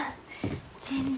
全然。